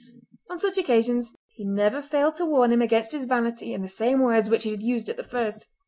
On such occasions he never failed to warn him against his vanity in the same words which he had used at the first.